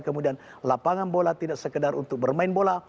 kemudian lapangan bola tidak sekedar untuk bermain bola